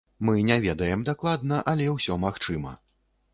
Мы не ведаем дакладна, але ўсё магчыма.